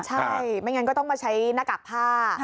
ใช่ไม่งั้นก็ต้องมาใช้หน้ากากผ้า